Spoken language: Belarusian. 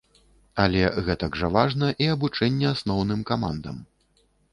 Але гэтак жа важна і абучэнне асноўным камандам.